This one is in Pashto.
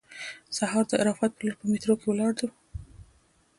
سهار د عرفات په لور په میټرو کې ولاړو.